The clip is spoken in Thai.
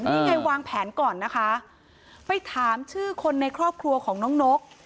นี่ไงวางแผนก่อนนะคะไปถามชื่อคนในครอบครัวของน้องนก